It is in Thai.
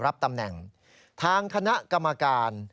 รับตำแหน่งทางคณะกรรมการ